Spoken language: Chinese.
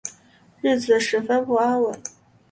日子十分不安稳